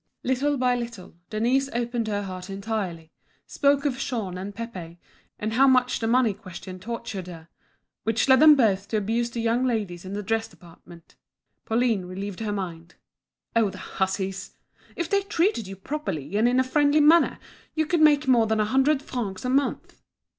Little by little, Denise opened her heart entirely, spoke of Jean and Pépé, and how much the money question tortured her; which led them both to abuse the young ladies in the dress department. Pauline relieved her mind. "Oh, the hussies! If they treated you properly and in a friendly manner, you could make more than a hundred francs a month."